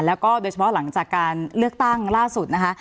แล้วก็โดยเฉพาะหลังจากการเลือกตั้งล่าสุดนะคะ